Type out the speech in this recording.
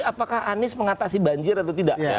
apakah anies mengatasi banjir atau tidak